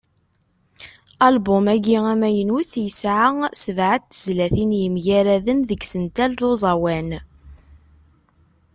Album-agi amaynut, yesɛa sebεa n tezlatin yemgaraden deg yisental d uẓawan.